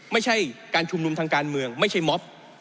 ไม่ใช่การชุมนุมทางการเมืองไม่ใช่ม็อบ